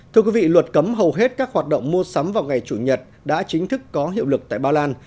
thưa quý vị luật cấm hầu hết các hoạt động mua sắm vào ngày chủ nhật đã chính thức có hiệu lực tại ba lan